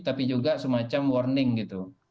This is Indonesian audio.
tapi juga semacam warning gitu